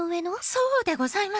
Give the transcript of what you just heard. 「そうでございます